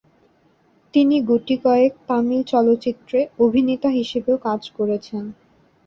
তিনি গুটিকয়েক তামিল চলচ্চিত্রে অভিনেতা হিসেবেও কাজ করেছেন।